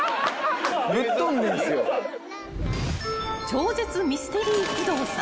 ［超絶ミステリー不動産］